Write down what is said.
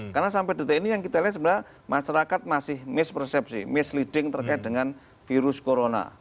karena sampai detik ini yang kita lihat sebenarnya masyarakat masih mispersepsi misleading terkait dengan virus corona